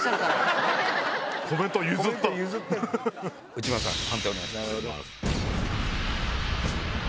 内村さん判定お願いします。